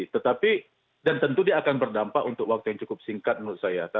tetapi dan tentu dia akan berdampak untuk waktu yang cukup singkat menurut saya